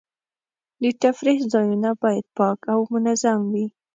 د تفریح ځایونه باید پاک او منظم وي.